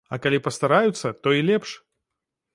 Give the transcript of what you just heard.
А калі пастараюцца, то і лепш!